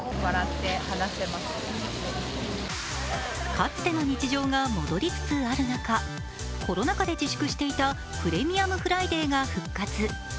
かつての日常が戻りつつある中、コロナ禍で自粛していたプレミアムフライデーが復活。